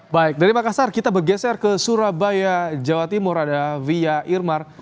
baik dari makassar kita bergeser ke surabaya jawa timur ada via irmar